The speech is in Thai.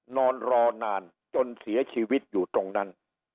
นอนรอนานจนเสียชีวิตอยู่ตรงนั้น